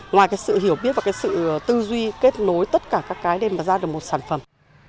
ngoài cái sự hiểu biết và cái sự tư duy kết nối tất cả các cái để mà ra được một sản phẩm